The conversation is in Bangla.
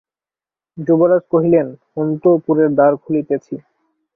যুবরাজ কহিলেন, অন্তঃপুরের দ্বার খুলিতেছি।